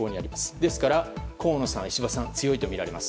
ですから、河野さん、石破さんが強いとみられます。